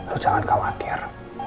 lo jangan khawatir